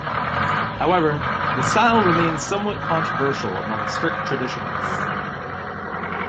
However, the style remains somewhat controversial among strict traditionalists.